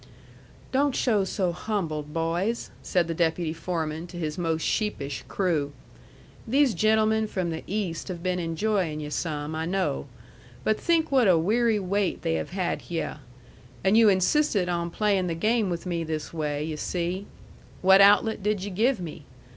"Don't show so humbled, boys," said the deputy foreman to his most sheepish crew. "These gentlemen from the East have been enjoying yu' some, I know. But think what a weary wait they have had hyeh. And you insisted on playing the game with me this way, yu' see. What outlet did yu' give me?